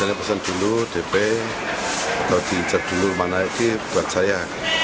saya pesan dulu dp atau dicek dulu mana itu buat saya